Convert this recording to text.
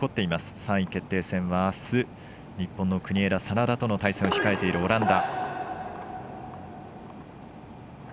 ３位決定戦は、あす日本の国枝、眞田との対戦を控えているオランダ。